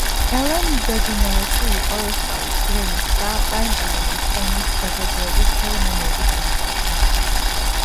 ელენ დეჯენერესი იყო ოსკარის, გრემის და პრაიმტაიმის ემის დაჯილდოების ცერემონიების წამყვანი.